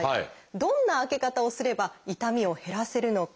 どんな開け方をすれば痛みを減らせるのか。